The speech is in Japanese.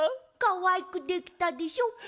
かわいくできたでしょ？